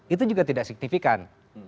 itu juga tidak signifikan